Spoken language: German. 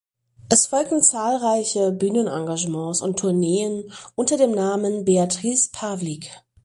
Es folgten zahlreiche Bühnenengagements und Tourneen unter dem Namen Beatrice Pavlik.